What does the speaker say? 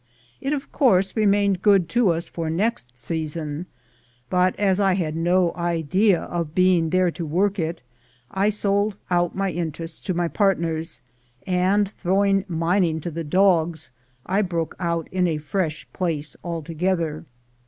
It, of course, remained good to us for next season; but as I had no idea of being there to work it, I sold out my interest to my partners, and, throwing mining to the dogs, I broke out in a fresh place altogether.